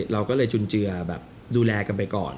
เราก็เลยจุนเจือแบบดูแลกันไปก่อน